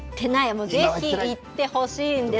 ぜひ行ってほしいんです。